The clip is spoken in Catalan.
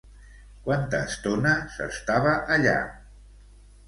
Quanta estona s'estava allà?